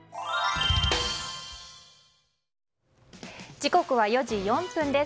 時刻は４時４分です。